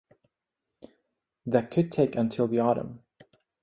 That could take until the autumn.